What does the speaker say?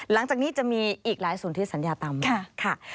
หลังจากนี้จะมีอีกหลายส่วนที่สัญญาตามมาค่ะ